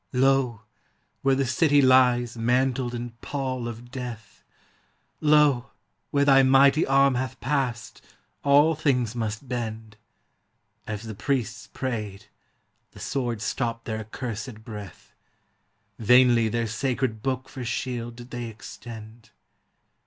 Lo, where the city lies mantled in pall of death! Lo, where thy mighty arm hath passed, all things must bend! As the priests prayed, the sword stopped their accursèd breath, Vainly their sacred book for shield did they extend.